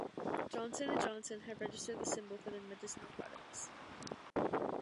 Johnson and Johnson had registered the symbol for their medicinal products.